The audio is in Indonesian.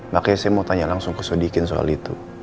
makanya saya mau tanya langsung ke sodikin soal itu